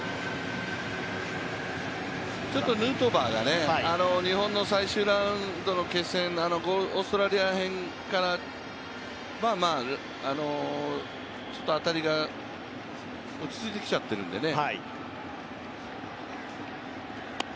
ヌートバーが日本の最終ラウンドの決戦、オーストラリア戦からまあまあ、当たりが落ち着いてきちゃてるんでね。